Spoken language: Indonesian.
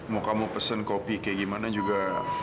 mau kamu pesen kopi kayak gimana juga